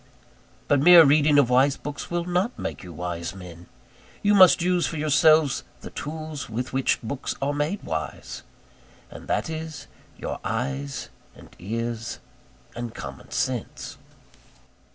But mere reading of wise books will not make you wise men: you must use for yourselves the tools with which books are made wise; and that is your eyes, and ears, and common sense.